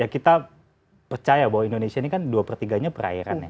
kita percaya bahwa indonesia ini kan dua per tiganya perairan ya